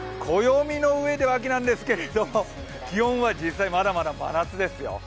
暦の上では秋なんですけど気温は実際まだまだ真夏ですよ。